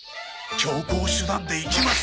強硬手段でいきます！